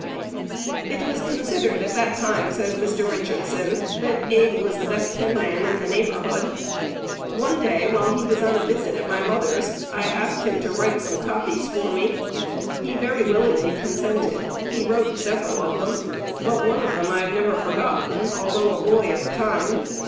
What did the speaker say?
"It was considered at that time," says Mr. Richardson, "that Abe was the best penman in the neighborhood. One day, while he was on a visit at my mother's, I asked him to write some copies for me. He very willingly consented. He wrote several of them, but one of them I have never forgotten, although a boy at the time.